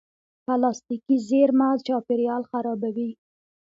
پلاستيکي زېرمه چاپېریال خرابوي.